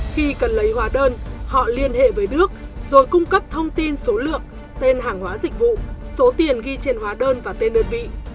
khi cần lấy hóa đơn họ liên hệ với đức rồi cung cấp thông tin số lượng tên hàng hóa dịch vụ số tiền ghi trên hóa đơn và tên đơn vị